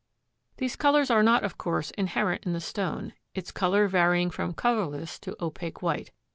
These colors are not, of course, inherent in the stone, its color varying from colorless to opaque white.